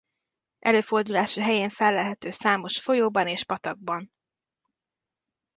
Előfordulási helyén fellelhető számos folyóban és patakban.